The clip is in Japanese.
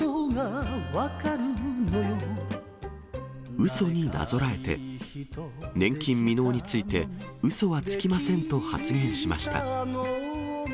うそになぞらえて、年金未納について、うそはつきませんと発言しました。